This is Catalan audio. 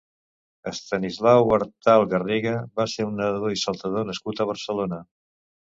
Estanislau Artal Garriga va ser un nedador i saltador nascut a Barcelona.